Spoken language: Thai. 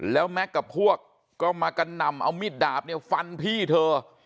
แล้วแม็กซ์กับพวกก็มากันนำเอามีดดาบเนี่ยฟันพี่เธอ